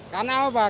karena apa pak